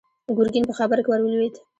ګرګين په خبره کې ور ولوېد.